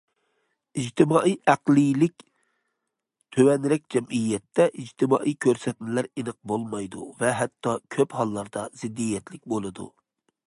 ئىجتىمائىي ئەقلىيلىك تۆۋەنرەك جەمئىيەتتە ئىجتىمائىي كۆرسەتمىلەر ئېنىق بولمايدۇ ۋە ھەتتا كۆپ ھاللاردا زىددىيەتلىك بولىدۇ.